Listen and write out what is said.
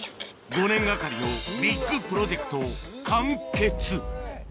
５年がかりのビッグプロジェクト完結